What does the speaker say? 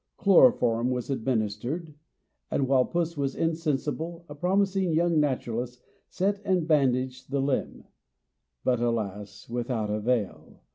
Chloroform was administered: and, while Puss was insensible, a promising young naturalist set and bandaged the limb; but, alas! without avail.